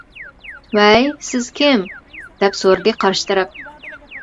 -ۋەي سىز كىم؟ -دەپ سورىدى قارشى تەرەپ.